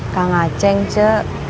kak ngaceng ce